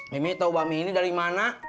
mimi tau bang mi ini dari mana